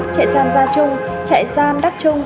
trại giam gia trung trại giam đắc trung